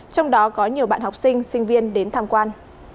trong đó có nhiều bạn học sinh sinh viên đến tham quan